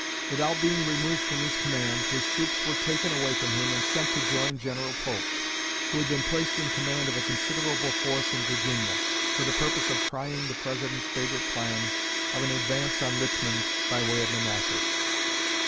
Without being removed from his command, his troops were taken away from him and sent to join General Pope, who had been placed in command of a considerable force in Virginia, for the purpose of trying the President's favorite plan of an advance on Richmond by way of Manassas.